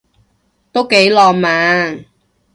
都幾浪漫